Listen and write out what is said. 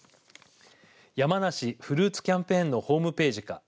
山梨フルーツキャンペーンのホームページか